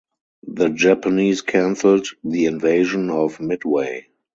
The Japanese cancelled the invasion of Midway.